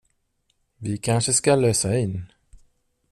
Vi kanske ska lösa in.